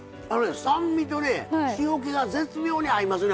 酸味と塩気が絶妙に合いますね。